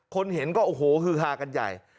เห็นก็โอ้โหฮือฮากันใหญ่